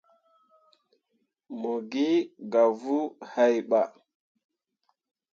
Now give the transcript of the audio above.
Mo gi gah wuu hai bah.